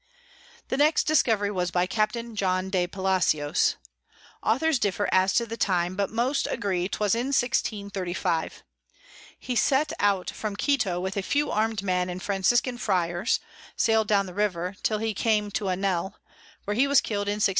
The next Discovery was by Capt. John de Palacios. Authors differ as to the time; but most agree 'twas in 1635. He set out from Quito with a few arm'd Men and Franciscan Fryars, sail'd down the River till he came to Annete, where he was kill'd in 1636.